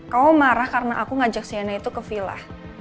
kamu marah karena aku ngajak sienna itu ke villa